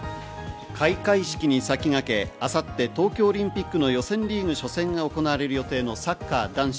開会式に先駆け明後日、東京オリンピックの予選リーグ初戦が行われる予定のサッカー男子。